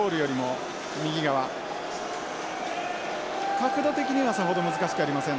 角度的にはさほど難しくありません。